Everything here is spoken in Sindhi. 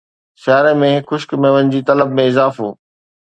سياري ۾ خشڪ ميون جي طلب ۾ اضافو